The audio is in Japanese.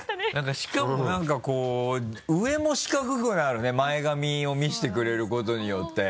しかも何かこう上も四角くなるね前髪を見せてくれることによって。